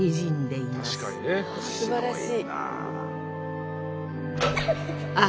あすばらしい！